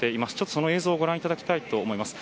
その映像をご覧いただきたいと思います。